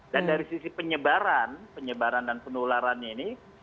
dan dari sisi penyebaran penyebaran dan penularan ini